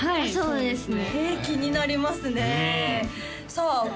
そうですね